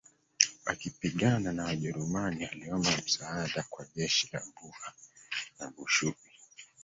Akipigana na wajerumani aliomba msaada kwa jeshi la buha na bushubi